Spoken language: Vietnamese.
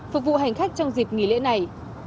phục vụ hành khách trong dịp nghỉ lễ này